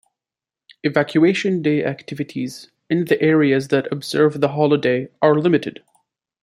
Evacuation Day activities in the areas that observe the holiday are limited.